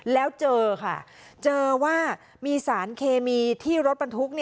แล้วเจอค่ะเจอว่ามีสารเคมีที่รถบรรทุก